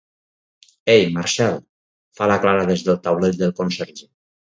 Ei, Marcel! —fa la Clara des del taulell del conserge.